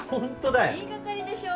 言い掛かりでしょ？